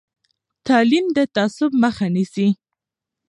تعلیم د تعصب مخه نیسي.